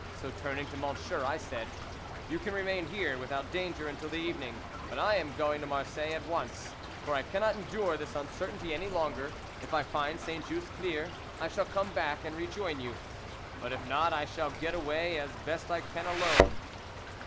So, turning to M____, I said: "'You can remain here without danger until the evening, but I am going to Marseilles at once; for I cannot endure this uncertainty any longer. If I find Saint Just clear, I shall come back and rejoin you, but if not I shall get away as best I can alone.